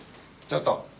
ちょっと！